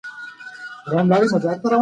لوستې میندې د ماشوم اړتیاوې پېژني.